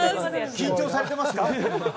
緊張されてますか？